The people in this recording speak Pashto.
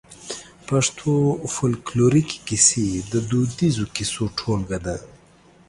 پښتو فولکلوريکي کيسې د دوديزو کيسو ټولګه ده.